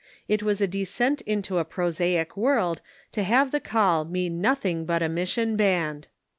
It was a descent into a prosaic world to have the call mean nothing but a mission band